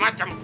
gua cekan tuh